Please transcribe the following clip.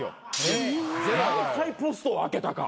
何回ポストを開けたか。